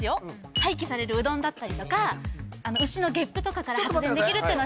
廃棄されるうどんだったりとか牛のゲップとかからちょっと待ってください